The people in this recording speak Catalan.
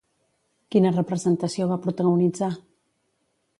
Quina representació va protagonitzar?